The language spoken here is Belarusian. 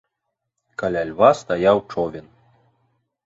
Каля льва стаяў човен.